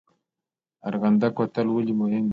ارغنده کوتل ولې مهم دی؟